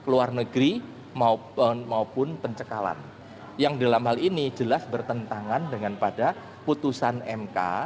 luar negeri maupun maupun pencekalan yang dalam hal ini jelas bertentangan dengan pada putusan mk